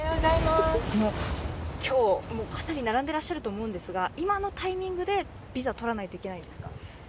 今日、かなり並んでらっしゃると思うんですが今のタイミングでビザをとらないといけないんですか？